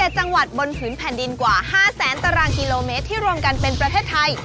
๗จังหวัดบนผืนแผ่นดินกว่า๕แสนตารางกิโลเมตรที่รวมกันเป็นประเทศไทย